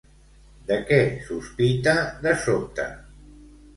De què sospita de sobte?